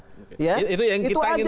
itu yang kita ingin meyakinkan benarannya